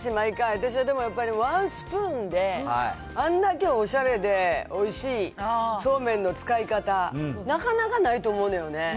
でも、私はでもやっぱりワンスプーンで、あんだけおしゃれでおいしいそうめんの使い方、なかなかないと思うのよね。